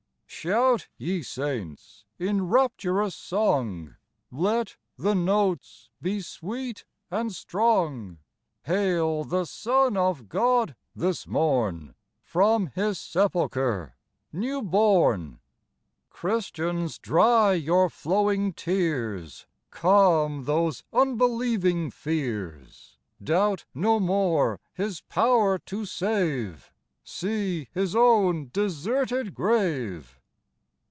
Shout, ye saints, in rapturous song ; Let the notes be sweet and strong : Hail the Son of God, this morn, From His sepulchre new born ! Christians, dry your flowing tears ; Calm those unbelieving fears ; Doubt no more His power to save : See His own deserted grave